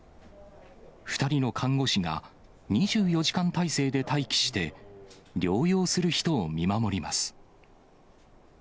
２人の看護師が、２４時間態勢で待機して、療養する人を見守ります。